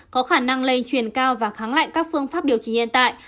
có khả năng lây truyền cao và kháng lệnh các phương pháp điều trị hiện tại